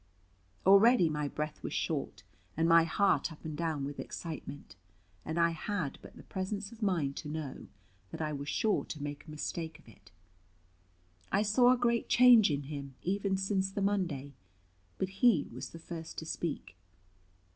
Already my breath was short, and my heart up and down with excitement, and I had but the presence of mind to know that I was sure to make a mistake of it. I saw a great change in him, even since the Monday; but he was the first to speak.